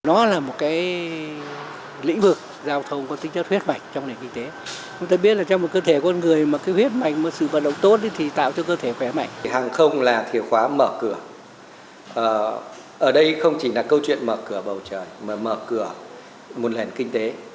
ở đây không chỉ là câu chuyện mở cửa bầu trời mà mở cửa một lền kinh tế